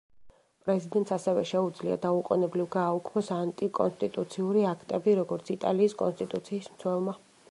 პრეზიდენტს ასევე შეუძლია დაუყოვნებლივ გააუქმოს ანტიკონსტიტუციური აქტები, როგორც იტალიის კონსტიტუციის მცველმა.